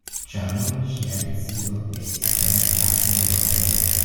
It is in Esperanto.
Ĉar nun ŝia decido estis prenita nerevokeble.